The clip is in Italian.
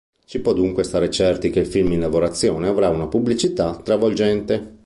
Si può dunque stare certi che il film in lavorazione avrà una pubblicità travolgente.